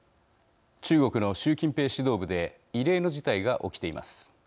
中国の習近平指導部で異例の事態が起きています。